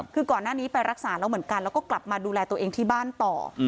คือก่อนหน้านี้ไปรักษาแล้วเหมือนกันแล้วก็กลับมาดูแลตัวเองที่บ้านต่อ